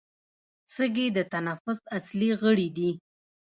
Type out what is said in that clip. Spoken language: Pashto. سږي د تنفس اصلي غړي دي